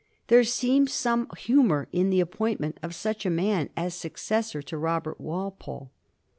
There seems some humor in* the appointment of such a man as successor to Robert Walpole.